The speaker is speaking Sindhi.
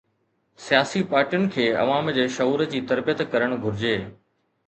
سياسي پارٽين کي عوام جي شعور جي تربيت ڪرڻ گهرجي.